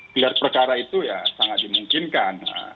gelar perkara itu ya sangat dimungkinkan